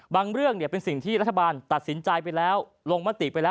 เรื่องเป็นสิ่งที่รัฐบาลตัดสินใจไปแล้วลงมติไปแล้ว